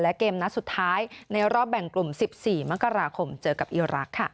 และเกมนัดสุดท้ายในรอบแบ่งกลุ่ม๑๔มกราคมเจอกับอีรักษ์ค่ะ